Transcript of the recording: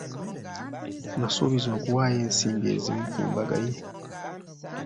Nasuubiza okuwaayo ensimbi ezimu ku mbaga ye.